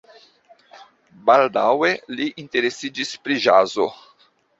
Baldaŭe li interesiĝis pri ĵazo.